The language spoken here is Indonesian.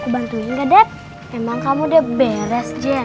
enaknya kalau ada ibu